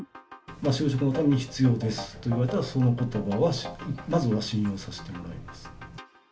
就職のために必要ですと言われたら、そのことばはまずは信用させてもらいます。